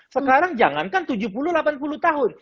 sekarang jangankan tujuh puluh delapan puluh tahun